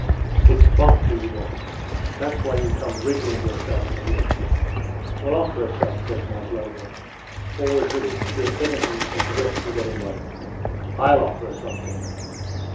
"It's vodka you want; that's why you come wriggling yourself in here." "Well, offer her some," said Maslova, always ready to share anything she possessed with anybody. "I'll offer her something."